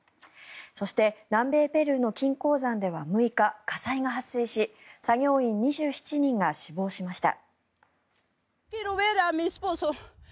そして南米ペルーの金鉱山では６日火災が発生し作業員２７人が死亡しました。